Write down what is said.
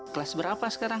kelas berapa sekarang